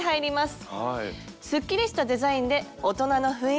すっきりしたデザインで大人の雰囲気です！